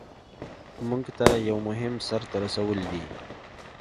مونږ ته یو مهم سر ته رسول دي.